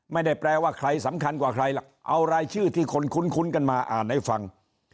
ไม่ได้แปลว่าใครสำคัญกว่าใครหรอกเอารายชื่อที่คนคุ้นกันมาอ่านให้ฟัง